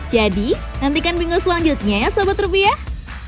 jadi nantikan minggu selanjutnya ya sobat rupiah